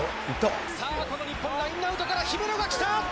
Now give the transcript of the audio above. さあこの日本、ラインアウトから来た。